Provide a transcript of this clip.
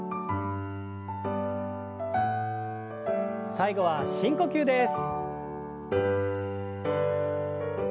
最後は深呼吸です。